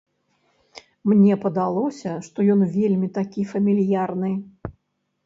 Мне падалося, што ён вельмі такі фамільярны.